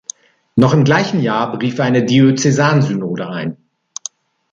Noch im gleichen Jahr berief er eine Diözesansynode ein.